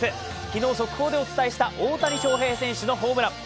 昨日、速報でお伝えした大谷翔平選手のホームラン。